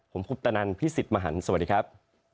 ผมคุปตะนันพี่สิทธิ์มหันฯสวัสดีครับ